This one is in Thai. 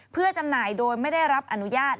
เพื่อจำหน่ายโดยไม่ได้รับอนุญาต